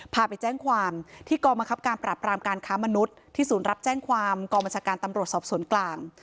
พาไปแจ้งความที่กรมคับการปรับรามการค้ามนุษย์ที่ศูนย์รับแจ้งความกองบัญชาการตำรวจสอบสวนกลาง